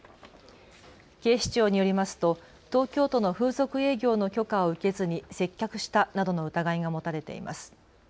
警視庁によりますと東京都の風俗営業の許可を受けずに接客したなどの疑いが持たれています。